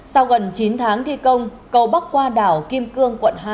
sau gần chín tháng thi công cầu bắc qua đảo kim cương quận hai